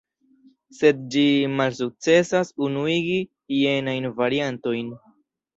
Sed ĝi malsukcesas unuigi jenajn variantojn.